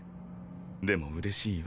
でもうれしいわ。